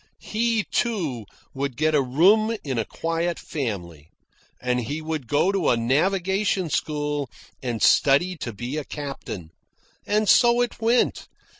He, too, would get a room in a quiet family, and he would go to a navigation school and study to be a captain. And so it went.